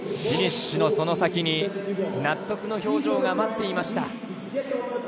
フィニッシュのその先に納得の表情が待っていました。